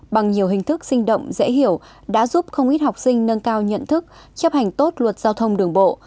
bằng nhiều hình thức sinh động dễ hiểu đã giúp không ít học sinh nâng cao nhận thức chấp hành tốt luật giao thông đường bộ